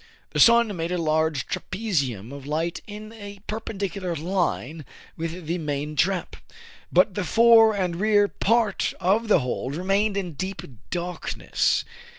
The sun made a large trapezium of light in a perpendicular line with the main trap ; but the fore and rear part of the hold remained in deep darkness.